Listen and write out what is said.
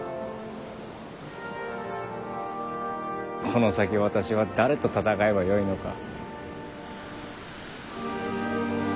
この先私は誰と戦えばよいのか。